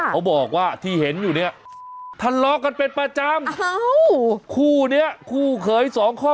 เขาบอกว่าที่เห็นอยู่เนี่ย